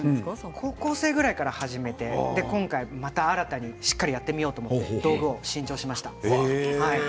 高校生ぐらいから始めてまた新たにしっかりやってみようと思って新調しました。